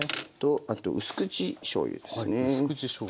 あとうす口しょうゆですね。